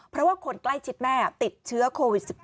เพราะว่าคนใกล้ชิดแม่ติดเชื้อโควิด๑๙